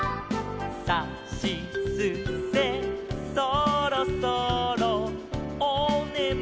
「さしすせそろそろおねむかな」